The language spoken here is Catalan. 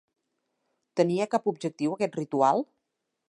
Tenia cap objectiu aquest ritual?